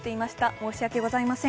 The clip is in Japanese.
申し訳ございません。